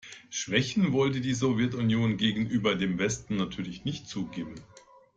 Schwächen wollte die Sowjetunion gegenüber dem Westen natürlich nicht zugeben.